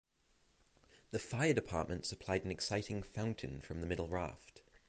The fire department supplied an exciting fountain from the middle raft.